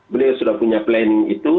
beliau sudah punya plan itu